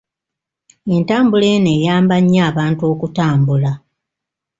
Entambula eno eyamba nnyo abantu okutambula.